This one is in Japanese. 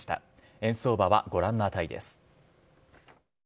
円相場はご覧の値です。